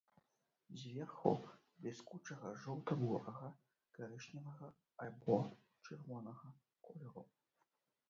Зверху бліскучага жоўта-бурага, карычневага або чырвонага колеру.